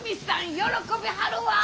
喜びはるわぁ。